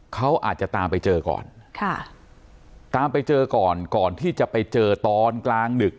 เขาอาจจะตามไปเจอก่อนค่ะตามไปเจอก่อนก่อนที่จะไปเจอตอนกลางดึก